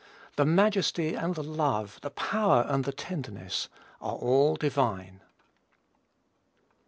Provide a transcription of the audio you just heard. The majesty and the love, the power and the tenderness, are all divine.